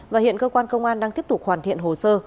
và hiện cơ quan công an đang tiếp tục hoàn thiện hồ sơ